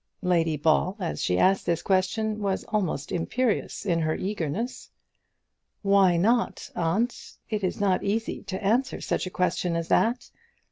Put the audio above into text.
Lady Ball, as she asked the question, was almost imperious in her eagerness. "Why not, aunt? It is not easy to answer such a question as that.